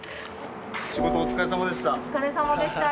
仕事お疲れさまでした。